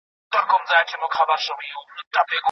د دولت مرسته د ملت مسؤليت دی.